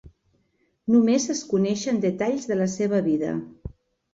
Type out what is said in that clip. Només es coneixen detalls de la seva vida.